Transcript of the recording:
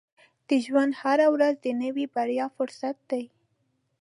• د ژوند هره ورځ د نوې بریا فرصت دی.